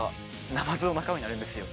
ナマズの仲間になるんですよ。